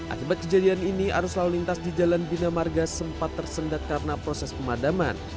akibat kejadian ini arus lalu lintas di jalan bina marga sempat tersendat karena proses pemadaman